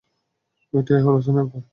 এটা হলো স্নাইপার।